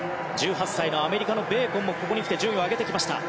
１８歳のアメリカのベーコンもここにきて順位を上げてきた。